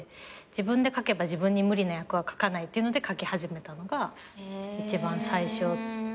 自分で書けば自分に無理な役は書かないっていうので書き始めたのが一番最初。